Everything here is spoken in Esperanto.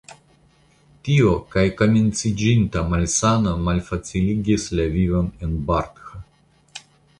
Tio kaj komenciĝinta malsano malfaciligis la vivon de Barth.